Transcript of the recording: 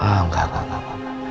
oh enggak enggak enggak